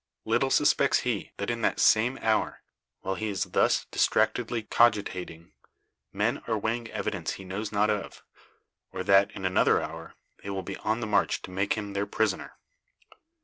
Little suspects he, that in the same hour, while he is thus distractedly cogitating, men are weighing evidence he knows not of; or that, in another hour, they will be on the march to make him their prisoner.